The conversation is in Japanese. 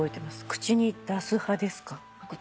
口に出す派ですか？